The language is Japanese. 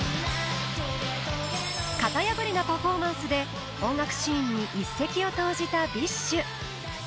型破りなパフォーマンスで音楽シーンに一石を投じたＢｉＳＨ。